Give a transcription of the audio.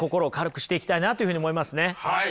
はい。